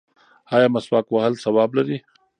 ایا مسواک وهل ثواب لري؟